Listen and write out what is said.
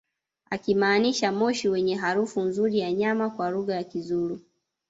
akimaanisha moshi wenye harufu nzuri ya nyama kwa lugha ya kizulu